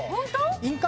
印鑑